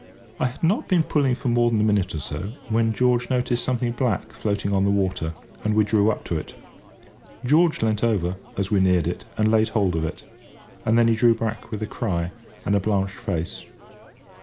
I had not been pulling for more than a minute or so, when George noticed something black floating on the water, and we drew up to it. George leant over, as we neared it, and laid hold of it. And then he drew back with a cry, and a blanched face.